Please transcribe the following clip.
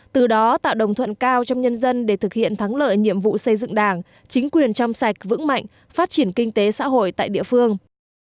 từ đó tạo đồng thuận cao trong nhân dân để thực hiện thắng lợi nhiệm vụ xây dựng đảng chính quyền trong sạch vững mạnh phát triển kinh tế xã hội tại địa phương